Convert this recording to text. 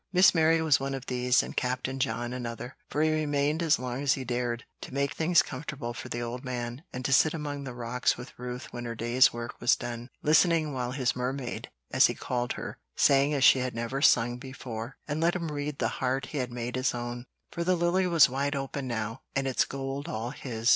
Miss Mary was one of these, and Captain John another; for he remained as long as he dared, to make things comfortable for the old man, and to sit among the rocks with Ruth when her day's work was done, listening while his "Mermaid," as he called her, sang as she had never sung before, and let him read the heart he had made his own, for the lily was wide open now, and its gold all his.